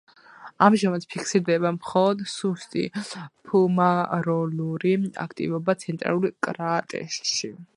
ამჟამად ფიქსირდება მხოლოდ სუსტი ფუმაროლური აქტივობა ცენტრალურ კრატერში.